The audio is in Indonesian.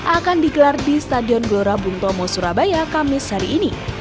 akan digelar di stadion gelora bung tomo surabaya kamis hari ini